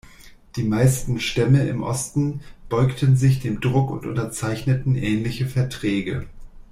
Die meisten Stämme im Osten beugten sich dem Druck und unterzeichneten ähnliche Verträge.